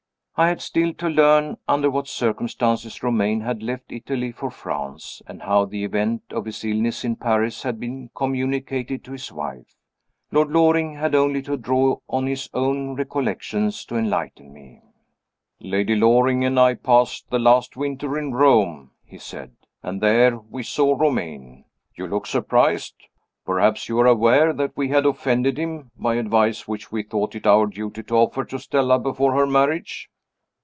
I had still to learn under what circumstances Romayne had left Italy for France, and how the event of his illness in Paris had been communicated to his wife. Lord Loring had only to draw on his own recollections to enlighten me. "Lady Loring and I passed the last winter in Rome," he said. "And, there, we saw Romayne. You look surprised. Perhaps you are aware that we had offended him, by advice which we thought it our duty to offer to Stella before her marriage?"